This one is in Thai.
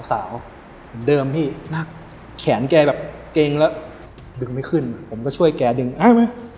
เหมือนเดิมพี่นะแขนแกแบบเกรงแล้วดึงไม่ขึ้นผมก็ช่วยแกดึงอ้าวไหม